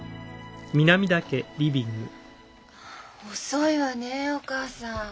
遅いわねえお母さん。